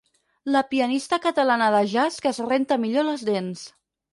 La pianista catalana de jazz que es renta millor les dents.